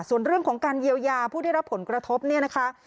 ส่วนเรื่องของการเยียวยาผู้ได้รับผลกระทบเนี่ยนะคะ